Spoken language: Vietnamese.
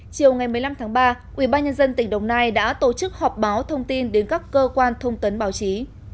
chiều ngày một mươi năm tháng ba ubnd tỉnh đồng nai đã tổ chức họp báo thông tin đến các cơ quan thông tấn báo chí